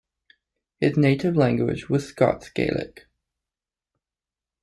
His native language was Scots Gaelic.